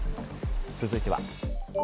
続いては。